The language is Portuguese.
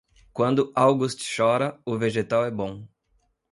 Quando August chora, o vegetal é bom.